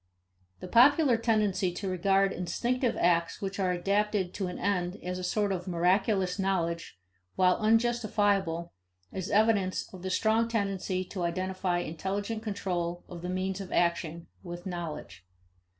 The popular tendency to regard instinctive acts which are adapted to an end as a sort of miraculous knowledge, while unjustifiable, is evidence of the strong tendency to identify intelligent control of the means of action with knowledge.